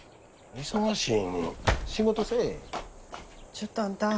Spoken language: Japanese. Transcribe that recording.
ちょっとあんた。